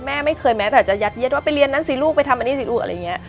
แม่ไม่เคยแม้แต่จะยัดเย็ดว่าไปเรียนนั่นสิลูกไปทำอันนี้สิลูก